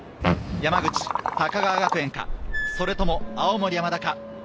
山口・高川学園か、それとも青森山田か。